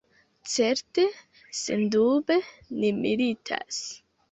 Certe, sendube, ni militas.